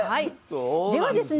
ではですね